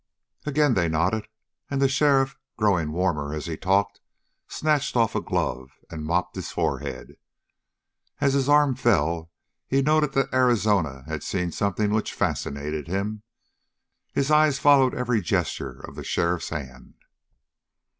Again they nodded, and the sheriff, growing warmer as he talked, snatched off a glove and mopped his forehead. As his arm fell, he noted that Arizona had seen something which fascinated him. His eyes followed every gesture of the sheriff's hand.